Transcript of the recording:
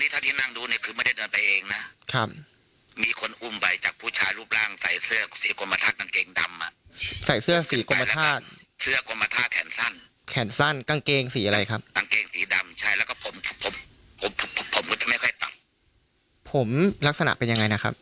หมอทรงที่ชื่อหมอชัยบอกว่าเพราะน้องชมพู่เป็นเด็กผู้หญิงอายุ๓ขวบ